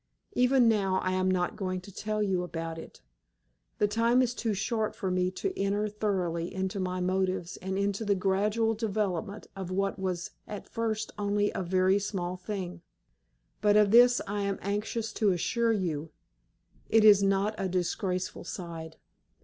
Even now I am not going to tell you about it. The time is too short for me to enter thoroughly into my motives and into the gradual development of what was at first only a very small thing. But of this I am anxious to assure you, it is not a disgraceful side!